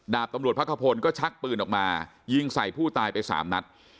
ดาบตำรวจพักขพลก็ชักปืนออกมายิงใส่ผู้ตายไปสามนัด